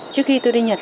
trước khi tôi đi nhật